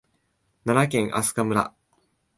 奈良県明日香村